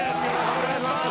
お願いします。